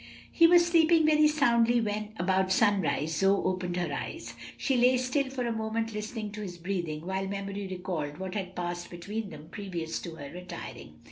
He was sleeping very soundly when, about sunrise, Zoe opened her eyes. She lay still for a moment listening to his breathing, while memory recalled what had passed between them previous to her retiring.